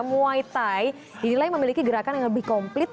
muay thai diri lain memiliki gerakan yang lebih komplit